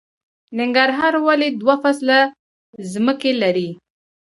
ننګرهار ولې دوه فصله ځمکې لري؟